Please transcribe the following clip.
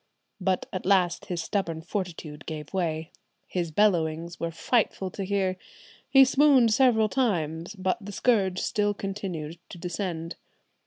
"But at last his stubborn fortitude gave way. His bellowings were frightful to hear. He swooned several times; but the scourge still continued to descend.